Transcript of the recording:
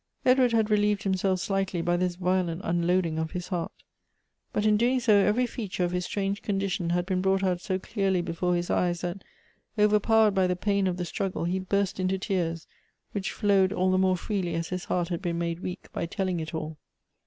Edward had relieved himself slightly by this violent unloading of his heart. But in doing so every feature of his strange condition had been brought out so clearly before his eyes, that, overpowered by the pain of the struggle, he burst into tears, which flowed all the mo e freely as his heart had been made weak by telling it all.